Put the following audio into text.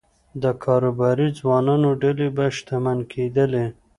د کاروباري ځوانانو ډلې به شتمن کېدلې